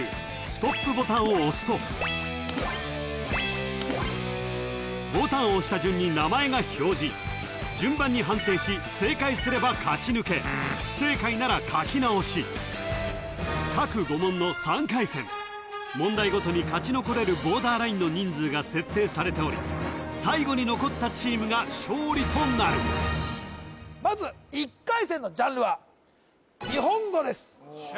ストップボタンを押すとボタンを押した順に名前が表示順番に判定し正解すれば勝ち抜け不正解なら書き直し各５問の３回戦問題ごとに勝ち残れるボーダーラインの人数が設定されており最後に残ったチームが勝利となるまず１回戦のジャンルは日本語です